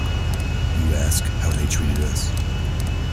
You ask how they treated us?